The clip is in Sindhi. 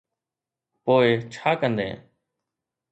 پوءِ ڇا ڪندين؟